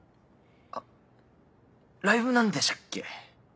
あライブなんでしたっけ？